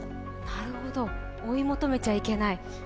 なるほど、追い求めちゃいけない。